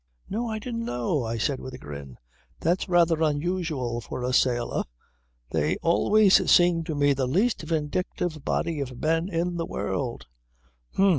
"No, I didn't know," I said with a grin. "That's rather unusual for a sailor. They always seemed to me the least vindictive body of men in the world."